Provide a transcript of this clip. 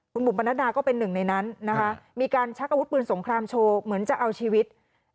คุณบุ๋มปนัดดาก็เป็นหนึ่งในนั้นนะคะมีการชักอาวุธปืนสงครามโชว์เหมือนจะเอาชีวิต